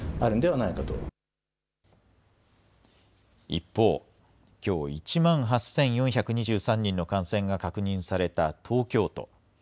一方、きょう、１万８４２３人の感染が確認された東京都。